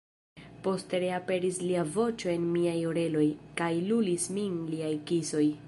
Poste reaperis lia voĉo en miaj oreloj, kaj lulis min liaj kisoj.